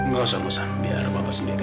gak usah gak usah biar bapak sendiri